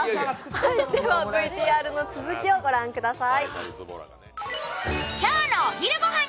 ではＶＴＲの続きを御覧ください。